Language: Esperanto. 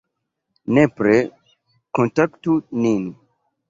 Nepre kontaktu nin!